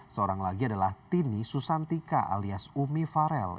seorang lagi adalah tini susantika alias umi farel